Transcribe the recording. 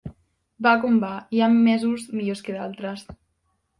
Va com va, hi ha mesos millors que d'altres.